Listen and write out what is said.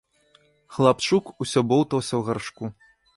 Хлапчук усё боўтаўся ў гаршку.